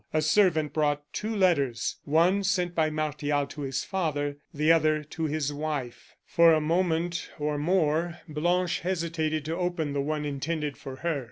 A servant brought two letters; one, sent by Martial to his father, the other, to his wife. For a moment or more Blanche hesitated to open the one intended for her.